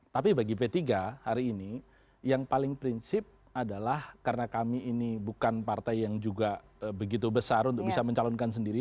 tapi bagi p tiga hari ini yang paling prinsip adalah karena kami ini bukan partai yang juga begitu besar untuk bisa mencalonkan sendiri